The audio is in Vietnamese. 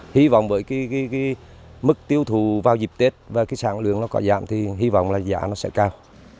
hy vọng với mức tiêu thụ vào dịp tết và sản lượng có giảm thì hy vọng là giá nó sẽ cao